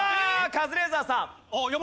カズレーザーさん。